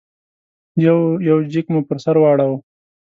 یو یو جېک مو پر سر واړاوه.